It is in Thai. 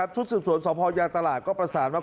ทุศึกษวนสยตลาดก็ประสานว่า